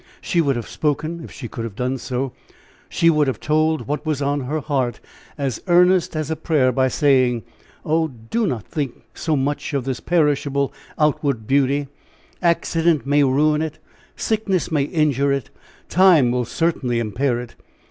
She would have spoken if she could have done so; she would have told what was on her heart as earnest as a prayer by saying: "Oh, do not think so much of this perishable, outward beauty; accident may ruin it, sickness may injure it, time will certainly impair it.